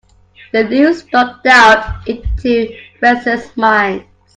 The news struck doubt into restless minds.